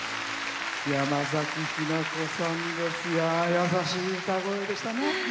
優しい歌声でしたね。